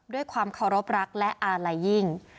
ด้วยความเคารพรักและอาลัยยิ่ง